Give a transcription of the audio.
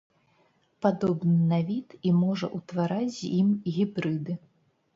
Падобны на від і можа ўтвараць з ім гібрыды.